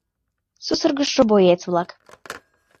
Сусыргышо боец-влак.